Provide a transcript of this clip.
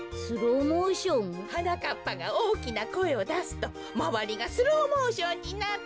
はなかっぱがおおきなこえをだすとまわりがスローモーションになって。